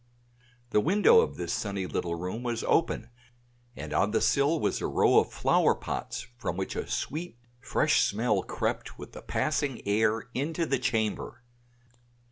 The window of this sunny little room was open and on the sill was a row of flower pots from which a sweet fresh smell crept with the passing air into the chamber.